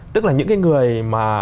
tức là những người mà